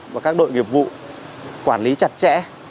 và các đội nghiệp vụ quản lý chặt chẽ